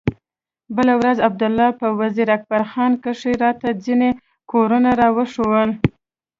بله ورځ عبدالله په وزير اکبر خان کښې راته ځينې کورونه راوښوول.